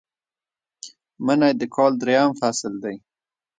منی د کال دریم فصل دی